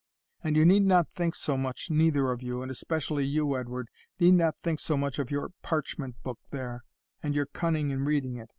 "And you need not think so much, neither of you, and especially you, Edward, need not think so much of your parchment book there, and your cunning in reading it.